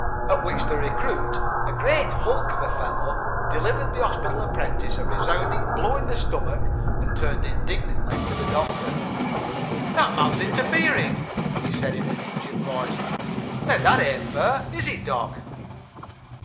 At which the recruit, a great hulk of a fellow, delivered the hospital apprentice a resounding blow in the stomach and turned indignantly to the doctor. "That man's interfering," he said in an injured voice. "Now that ain't fair, is it, doc?"